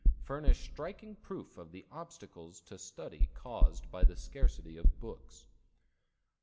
furnish striking proof of the obstacles to study caused by a scarcity of books.